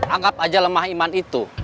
anggap aja lemah iman itu